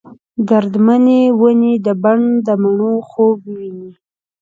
درد منې ونې د بڼ ، دمڼو خوب وویني